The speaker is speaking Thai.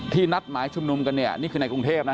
นัดหมายชุมนุมกันเนี่ยนี่คือในกรุงเทพนะ